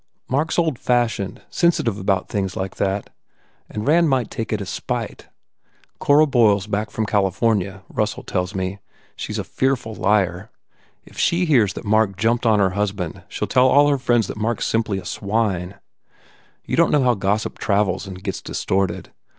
Mark s old fashioned sen sitive about things like that. And Rand might 204 COSMO RAND take it as spite. Cora Boyle s back from Cal ifornia, Russell tells me. She s a fearful liar. If she hears that Mark jumped on her husband she ll tell all her friends that Mark s simply a swine. You don t know how gossip travels and gets distorted.